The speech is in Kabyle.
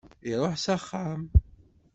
Iruḥ s axxam.